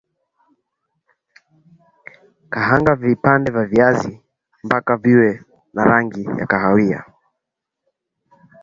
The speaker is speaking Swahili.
kaanga vipande vya viazi mpaka viwe na rangi ya kahawia